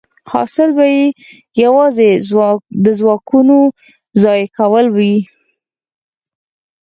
حاصل به یې یوازې د ځواکونو ضایع کول وي